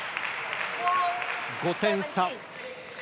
５点差。